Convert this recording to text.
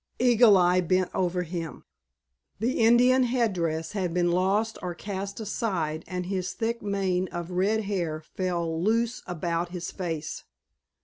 Eagle Eye bent over him. The Indian head dress had been lost or cast aside and his thick mane of red hair fell loose about his face.